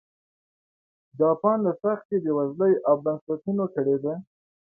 جاپان له سختې بېوزلۍ او بنسټونو کړېده.